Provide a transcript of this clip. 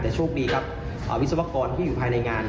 แต่โชคดีครับวิศวกรที่อยู่ภายในงาน